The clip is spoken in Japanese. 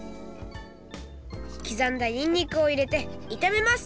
きざんだニンニクをいれていためます